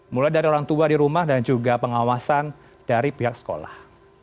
mulai dari orang tua di rumah dan juga pengawasan dari pihak sekolah